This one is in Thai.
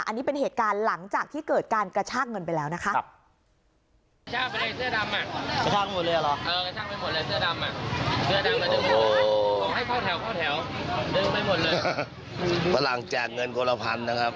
อันนี้เป็นเหตุการณ์หลังจากที่เกิดการกระชากเงินไปแล้วนะคะ